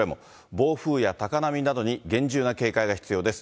暴風や高波などに厳重な警戒が必要です。